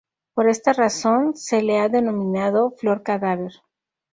Por esta razón se la ha denominado "flor cadáver".